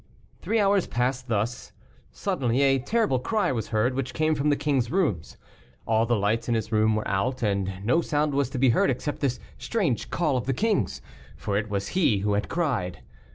Three hours passed thus. Suddenly, a terrible cry was heard, which came from the king's room. All the lights in his room were out, and no sound was to be heard except this strange call of the king's. For it was he who had cried.